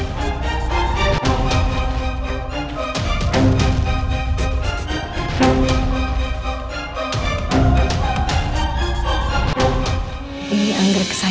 sampai jumpa di video selanjutnya